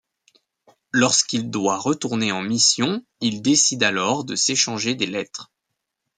Lorsqu'il doit retourner en mission, ils décident alors de s'échanger des lettres.